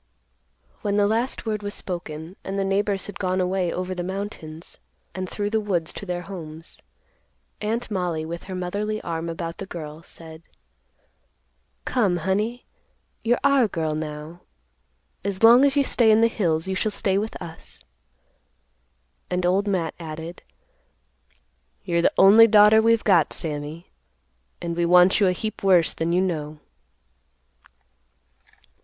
When the last word was spoken, and the neighbors had gone away over the mountains and through the woods to their homes, Aunt Mollie with her motherly arm about the girl, said, "Come, honey; you're our girl now. As long as you stay in the hills, you shall stay with us." And Old Matt added, "You're the only daughter we've got, Sammy; and we want you a heap worse than you know."